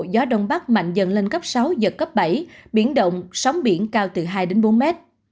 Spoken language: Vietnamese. gió đông bắc mạnh dần lên cấp sáu giật cấp bảy biển động sóng biển cao từ hai đến bốn mét